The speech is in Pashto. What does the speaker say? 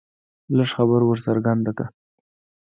لږ خبره ور څرګنده کړه